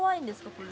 これ。